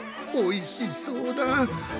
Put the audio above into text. おいしそうだ！